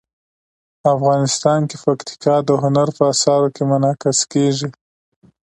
افغانستان کې پکتیا د هنر په اثار کې منعکس کېږي.